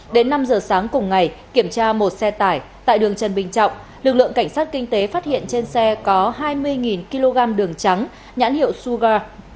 đến năm giờ sáng cùng ngày kiểm tra một xe tải tại đường trần bình trọng lực lượng cảnh sát kinh tế phát hiện trên xe có hai mươi kg đường trắng nhãn hiệu suga